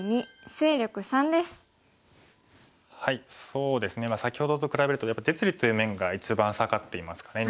そうですね先ほどと比べるとやっぱり実利という面が一番下がっていますかね